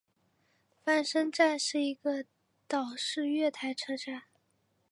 翻身站是一个岛式月台车站。